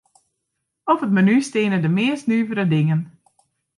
Op it menu steane de meast nuvere dingen.